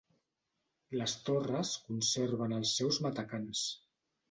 Les torres conserven els seus matacans.